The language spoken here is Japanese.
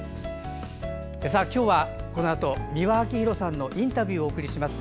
今日はこのあと美輪明宏さんのインタビューをお送りします。